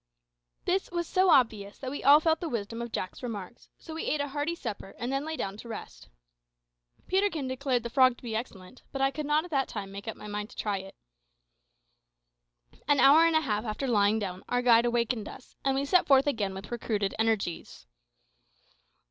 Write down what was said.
This was so obvious that we all felt the wisdom of Jack's remarks; so we ate a hearty supper, and then lay down to rest. Peterkin declared the frog to be excellent, but I could not at that time make up my mind to try it. An hour and a half after lying down, our guide awakened us, and we set forth again with recruited energies.